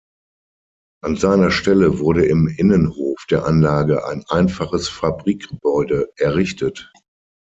An seiner Stelle wurde im Innenhof der Anlage ein einfaches Fabrikgebäude errichtet.